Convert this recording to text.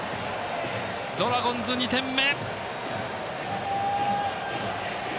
ドラゴンズ、２点目！